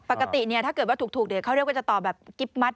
ปกติถ้าเกิดว่าถูกเดี๋ยวเขาเรียกว่าจะต่อแบบกิ๊บมัตต์